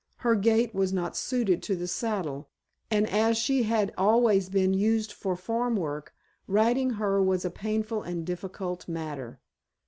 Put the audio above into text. Her gait was not suited to the saddle, and as she had always been used for farm work, riding her was a painful and difficult matter.